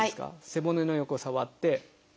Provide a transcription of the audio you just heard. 背骨の横触って。